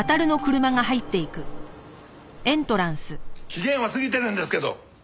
期限は過ぎてるんですけど！